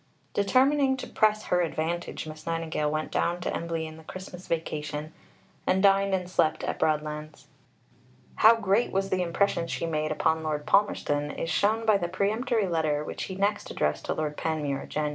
" Determining to press her advantage, Miss Nightingale went down to Embley in the Christmas vacation, and dined and slept at Broadlands. How great was the impression she made upon Lord Palmerston is shown by the peremptory letter which he next addressed to Lord Panmure (Jan.